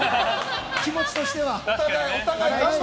気持ちとしては。